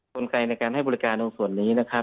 กลไกในการให้บริการตรงส่วนนี้นะครับ